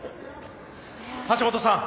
橋本さん。